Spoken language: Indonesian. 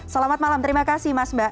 selamat malam terima kasih mas mbak